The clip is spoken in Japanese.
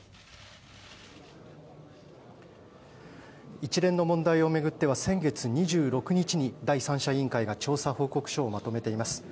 一連の問題を巡っては先月２６日に第三者委員会が調査報告書をまとめています。